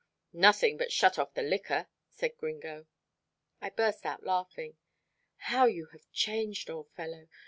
"Nothing but shut off the liquor," said Gringo. I burst out laughing. "How you have changed, old fellow.